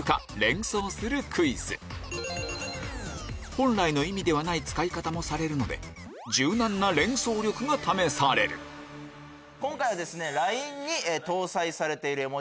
本来の意味ではない使い方もされるので柔軟な連想力が試される今回は。